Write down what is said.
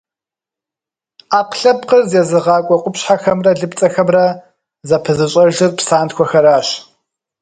Ӏэпкълъэпкъыр зезыгъакӏуэ къупщхьэхэмрэ лыпцӏэхэмрэ зэпызыщӏэжыр псантхуэхэращ.